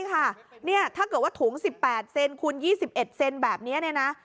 ใช่ค่ะถ้าเกิดว่าถุง๑๘เซนคูณ๒๑เซนแบบนี้